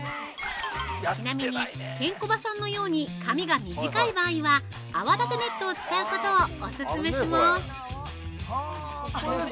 ◆ちなみに、ケンコバさんのように髪が短い場合は、泡立てネットを使うことをオススメします！